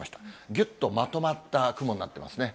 ぎゅっとまとまった雲になってますね。